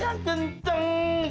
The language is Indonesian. yang kenceng banget ya